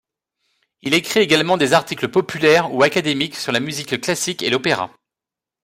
Il écrit également des articles populaires ou académiques sur la musique classique et l'opéra.